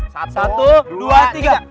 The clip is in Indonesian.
satu dua tiga